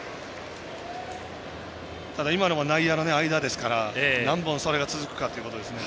ただ、今のも内野の間ですから何本それが続くかということですね。